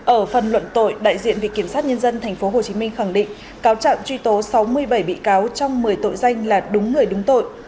ở phần luận tội đại diện vị kiểm sát nhân dân tp hcm khẳng định cáo trạng truy tố sáu mươi bảy bị cáo trong một mươi tội danh là đúng người đúng tội